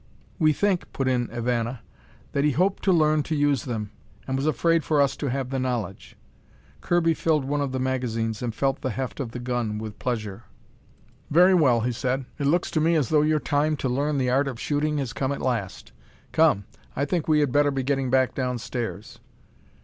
"We think," put in Ivana, "that he hoped to learn to use them, and was afraid for us to have the knowledge." Kirby filled one of the magazines, and felt the heft of the gun with pleasure. "Very well," he said. "It looks to me as though your time to learn the art of shooting has come at last. Come, I think we had better be getting back downstairs."